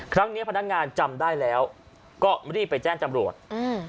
ครั้งเนี้ยพนักงานจำได้แล้วก็รีบไปแจ้งจำรวจอืม